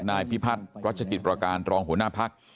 นายพิพัฒน์รัชกิจประการรองหัวหน้าพัก